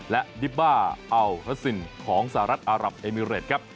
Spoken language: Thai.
และดิบ้าอัลฮัสซินของสหรัฐอารับเอมิเรตครับ